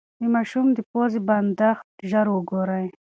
د ماشوم د پوزې بندښت ژر وګورئ.